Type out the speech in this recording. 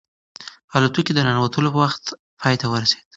الوتکې ته د ننوتلو وخت پای ته ورسېد.